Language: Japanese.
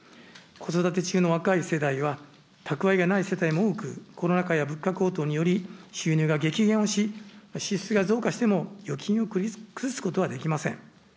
子育て中の若い世代は、蓄えがない世帯も多く、コロナ禍や物価高騰により、収入が激減をし、支出が増加しても預金を崩すことはできません。